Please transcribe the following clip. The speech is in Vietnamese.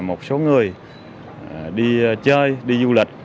một số người đi chơi đi du lịch